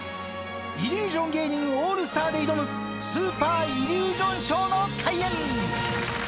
イリュージョン芸人オールスターで挑む、スーパーイリュージョンショーの開演。